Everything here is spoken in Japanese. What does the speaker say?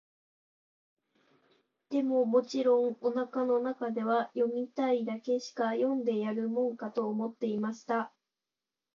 でも、もちろん、お腹の中では、読みたいだけしか読んでやるもんか、と思っていました。